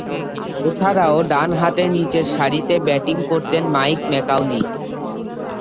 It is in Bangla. এছাড়াও, ডানহাতে নিচেরসারিতে ব্যাটিং করতেন মাইক ম্যাকাউলি।